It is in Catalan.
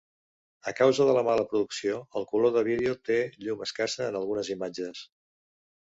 A causa de la mala producció, el color del vídeo té "llum escassa" en algunes imatges.